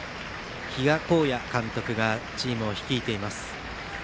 比嘉公也監督がチームを率いています。